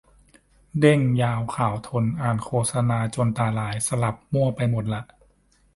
เด้ง ยาว ขาว ทน อ่านโฆษณาจนตาลาย สลับมั่วไปหมดละ